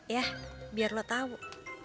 yah biar lo tau